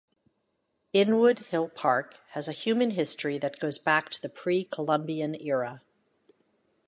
Inwood Hill Park has a human history that goes back to the Pre-Columbian era.